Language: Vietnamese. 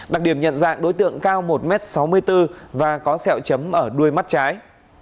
đặc điểm nhận dạng đối tượng cao một m sáu mươi bốn và có sẹo chấm ở đuôi mắt trái